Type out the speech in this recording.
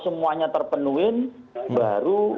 semuanya terpenuhi baru